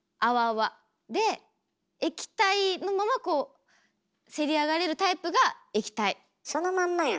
で液体のままこうせり上がれるタイプが液体。